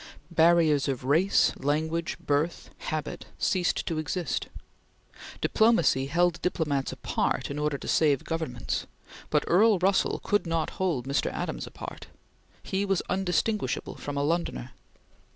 Barriers of race, language, birth, habit, ceased to exist. Diplomacy held diplomats apart in order to save Governments, but Earl Russell could not hold Mr. Adams apart. He was undistinguishable from a Londoner.